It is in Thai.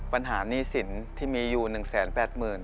ปัญหานี่สินที่มีอยู่๑๘๐๐๐๐บาท